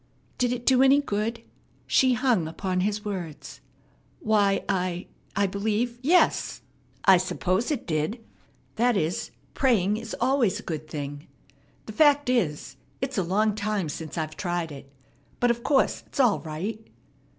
"Did it do any good?" She hung upon his words. "Why, I believe yes, I suppose it did. That is, praying is always a good thing. The fact is, it's a long time since I've tried it. But of course it's all right."